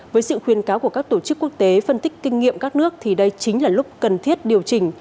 với sự khuyên cáo của các tổ chức quốc tế phân tích kinh nghiệm các nước thì đây chính là lúc cần thiết điều chỉnh